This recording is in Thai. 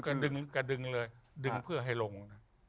กระดึงเลยดึงเพื่อให้ลง